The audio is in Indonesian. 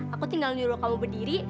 aku tinggal nyuruh kamu berdiri